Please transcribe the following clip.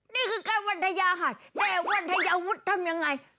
นี่คือการวันทยาหัฐแต่วันทยาวุฒิทำอย่างไร